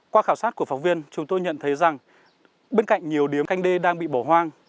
qua khảo sát của phóng viên chúng tôi nhận thấy rằng bên cạnh nhiều điếm canh đê đang bị bỏ hoang